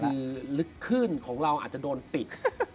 คือลึกขึ้นของเราอาจจะโดนปิด